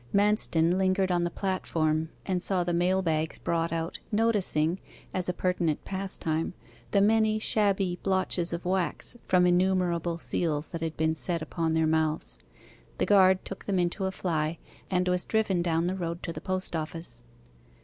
Manston lingered on the platform and saw the mail bags brought out, noticing, as a pertinent pastime, the many shabby blotches of wax from innumerable seals that had been set upon their mouths. The guard took them into a fly, and was driven down the road to the post office.